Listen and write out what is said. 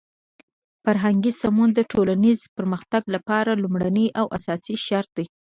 فرهنګي سمون د ټولنیز پرمختګ لپاره لومړنی او اساسی شرط دی.